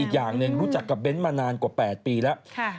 อย่างหนึ่งรู้จักกับเน้นมานานกว่า๘ปีแล้ว